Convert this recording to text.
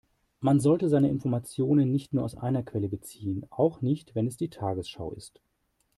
Man sollte seine Informationen nicht nur aus einer Quelle beziehen, auch nicht wenn es die Tagesschau ist.